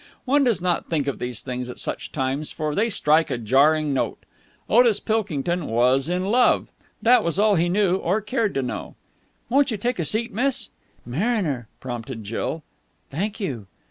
One does not think of these things at such times, for they strike a jarring note. Otis Pilkington was in love. That was all he knew, or cared to know. "Won't you take a seat, Miss...." "Mariner," prompted Jill. "Thank you."